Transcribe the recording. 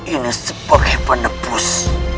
ini sebagai penepus